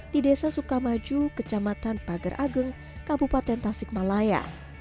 di desa sukamaju kecamatan pagar agung kabupaten tasikmalaya